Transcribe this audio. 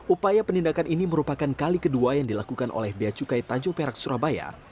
upaya penindakan ini merupakan kali kedua yang dilakukan oleh bia cukai tanjung perak surabaya